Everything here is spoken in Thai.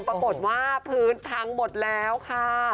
ปรากฏว่าพื้นพังหมดแล้วค่ะ